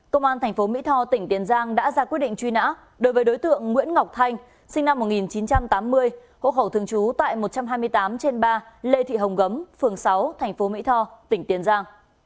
công an tp mỹ tho tỉnh tiền giang đã ra quyết định truy nã đối với đối tượng nguyễn ngọc thanh sinh năm một nghìn chín trăm tám mươi hộ khẩu thường trú tại một trăm hai mươi tám trên ba lê thị hồng gấm phường sáu tp mỹ tho tỉnh tiền giang